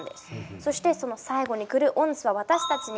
そして、その最後にくるｕｎｓは「私たちに」。